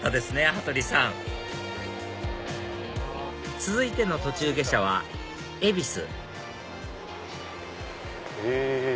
羽鳥さん続いての途中下車は恵比寿へぇ。